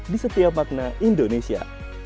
di setiap makna indonesia